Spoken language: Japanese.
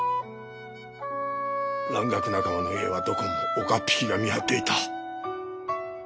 蘭学仲間の家はどこも岡っ引きが見張っていた。